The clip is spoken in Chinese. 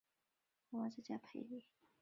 光靠政府是无法消除饥饿和营养不良的。